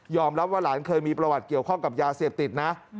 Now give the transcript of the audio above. รับว่าหลานเคยมีประวัติเกี่ยวข้องกับยาเสพติดนะ